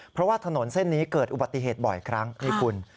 เพราะว่าถนนเส้นนี้เกิดอุบัติเหตุบ่อยครั้งนี่คุณ